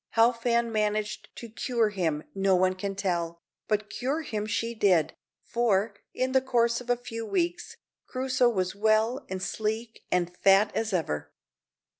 How Fan managed to cure him no one can tell, but cure him she did, for, in the course of a few weeks, Crusoe was as well and sleek and fat as ever.